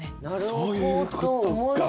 そういうことか！